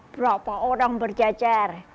berapa orang berjajar